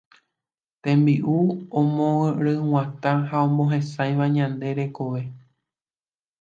Tembi'u omohyg̃uatã ha omohesãiva ñande rekove.